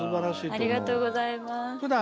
ありがとうございます。